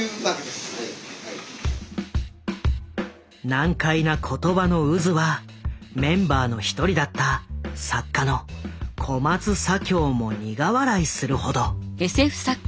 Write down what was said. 難解な言葉の渦はメンバーの一人だった作家の小松左京も苦笑いするほど。